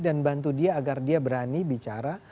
dan bantu dia agar dia berani bicara